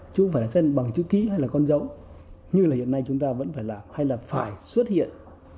chứ không phải là bằng chữ ký hay là con dấu như là hiện nay chúng ta vẫn phải làm hay là phải xuất hiện